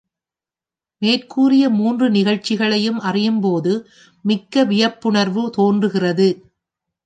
மேற்கூறிய மூன்று நிகழ்ச்சிகளையும் அறியும்போது மிக்க வியப்புணர்வு தோன்றுகிறது.